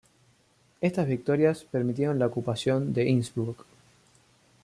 Estas victorias permitieron la ocupación de Innsbruck.